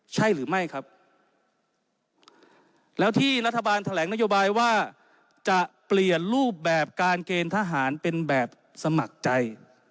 ใช่หรือไม่ครับแล้วที่รัฐบาลแถลงนโยบายว่าจะเปลี่ยนรูปแบบการเกณฑ์ทหารเป็นแบบสมัครใจ